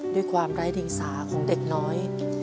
ด้วยความไร้เดียงสาของเด็กน้อย